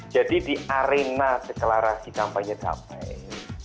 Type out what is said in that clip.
jadi di arena deklarasi kampanye damai